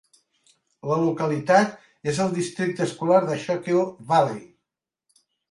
La localitat és al districte escolar de Schuykill Valley.